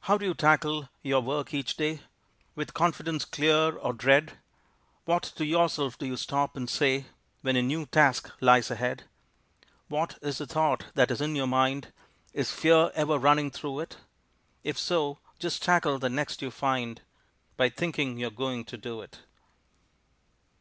How do you tackle your work each day? With confidence clear, or dread? What to yourself do you stop and say When a new task lies ahead? What is the thought that is in your mind? Is fear ever running through it? If so, just tackle the next you find By thinking you're going to do it.